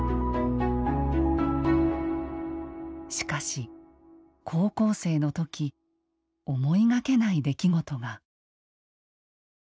しかし高校生の時思いがけない出来事が。